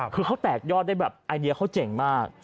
คือเขาแตกยอดได้แบบไอเดียเขาเจ๋งมาก